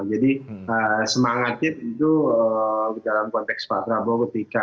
jadi semangatnya itu dalam konteks pak prabowo ketika